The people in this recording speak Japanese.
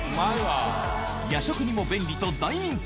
夜食にも便利と大人気。